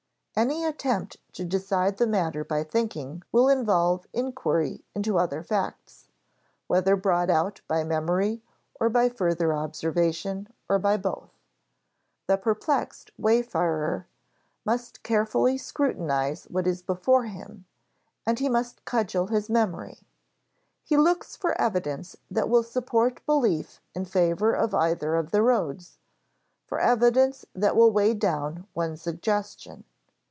Any attempt to decide the matter by thinking will involve inquiry into other facts, whether brought out by memory or by further observation, or by both. The perplexed wayfarer must carefully scrutinize what is before him and he must cudgel his memory. He looks for evidence that will support belief in favor of either of the roads for evidence that will weight down one suggestion.